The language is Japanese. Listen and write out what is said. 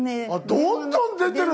どんどん出てる。